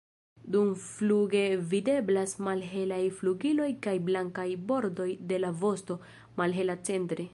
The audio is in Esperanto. Dumfluge videblas malhelaj flugiloj kaj blankaj bordoj de la vosto, malhela centre.